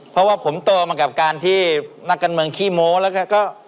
เพราะว่าผมโตมากับการที่นักการเมืองขี้โม้แล้วก็